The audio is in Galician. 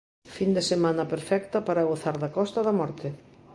Fin de semana perfecta para gozar da Costa da Morte!